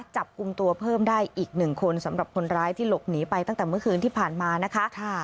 จับกลุ่มตัวเพิ่มได้อีกหนึ่งคนสำหรับคนร้ายที่หลบหนีไปตั้งแต่เมื่อคืนที่ผ่านมานะคะ